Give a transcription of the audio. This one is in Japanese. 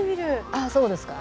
ああそうですか。